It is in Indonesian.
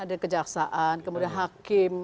dari kejaksaan kemudian hakim